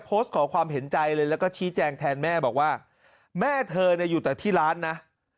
โพสต์ขอความเห็นใจเลยแล้วก็ชี้แจงแทนแม่บอกว่าแม่เธอเนี่ยอยู่แต่ที่ร้านนะ